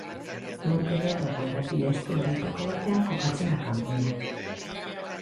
Montenegroko errepide hestu horietako batean kokatzen da kanpina.